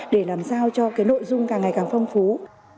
để làm sao cho cái nội dung càng ngày càng phong phú